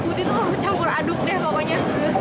pokoknya stres takut itu campur aduk deh pokoknya